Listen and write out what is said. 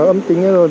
âm tính như thế này